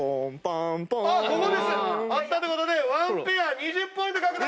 合ったということでワンペア２０ポイント獲得。